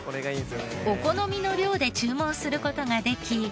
お好みの量で注文する事ができ。